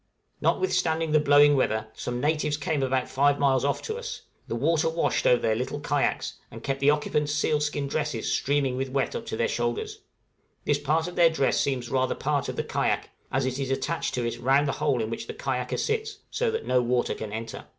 Notwithstanding the blowing weather, some natives came about five miles off to us; the water washed over their little kayaks, and kept the occupants' seal skin dresses streaming with wet up to their shoulders; this part of their dress seems rather part of the kayak, as it is attached to it round the hole in which the kayaker sits, so that no water can enter.